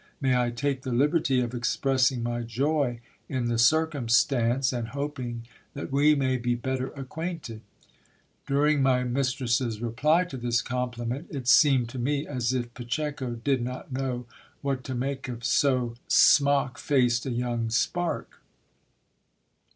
May I take the liberty of expressing my joy in the circumstance, and hoping that we may be better acquainted t During my mistress's reply to this compliment, it seemed to me as if Pacheco did not know what to make of so smock faced a young spark.